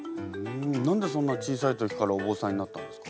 何でそんな小さい時からお坊さんになったんですか？